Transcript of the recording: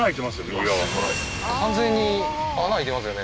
完全に穴空いてますよね